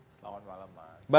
selamat malam bang